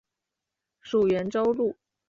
属袁州路。